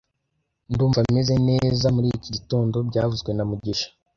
Ndumva meze neza muri iki gitondo byavuzwe na mugisha